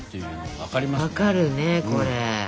わかるねこれ。